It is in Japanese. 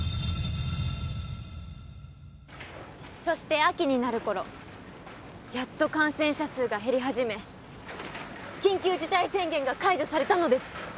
そして秋になるころやっと感染者数が減り始め緊急事態宣言が解除されたのです。